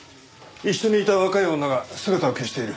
一緒にいた若い女が姿を消している。